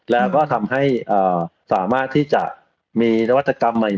แล้วก็ทำให้สามารถที่จะมีนวัตกรรมใหม่